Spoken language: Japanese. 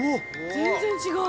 全然違う。